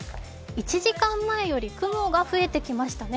１時間前より雲が増えてきましたね